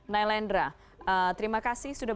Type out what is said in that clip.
naylendra terima kasih sudah